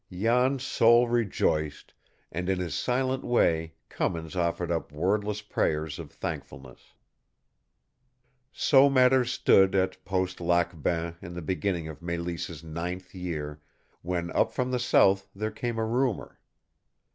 Jan's soul rejoiced, and in his silent way Cummins offered up wordless prayers of thankfulness. So matters stood at Post Lac Bain in the beginning of Mélisse's ninth year, when up from the south there came a rumor.